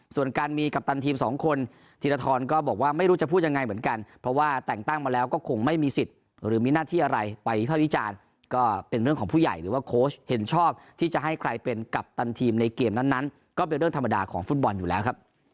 ส่วนการมีกัปตันทีมสองคนธีรทรก็บอกว่าไม่รู้จะพูดยังไงเหมือนกันเพราะว่าแต่งตั้งมาแล้วก็คงไม่มีสิทธิ์หรือมีหน้าที่อะไรไปวิภาควิจารณ์ก็เป็นเรื่องของผู้ใหญ่หรือว่าโค้ชเห็นชอบที่จะให้ใครเป็นกัปตันทีมในเกมนั้นก็เป็นเรื่องธรรมดาของฟุตบอลอยู่แล้วครับ